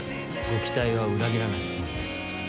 ご期待は裏切らないつもりです。